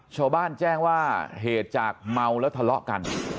ชาวบ้านแจ้งว่าเหตุจากเมาแล้วทะเลาะกัน